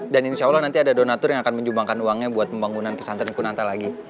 dan insyaallah nanti ada donator yang akan menyumbangkan uangnya buat pembangunan pesantren kunanta lagi